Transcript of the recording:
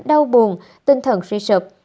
đau buồn tinh thần suy sụp